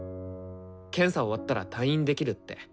検査終わったら退院できるって。